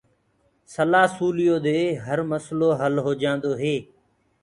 سلآ سُليو دي هر مسلو هل هوجآندو هي۔